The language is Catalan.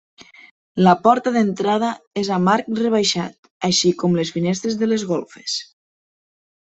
La porta d'entrada és amb arc rebaixat, així com les finestres de les golfes.